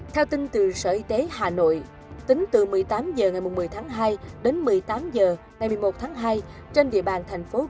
theo tin từ sở y tế hà nội tính từ một mươi tám h ngày một mươi tháng hai đến một mươi tám h ngày một mươi một tháng hai trên địa bàn tp hcm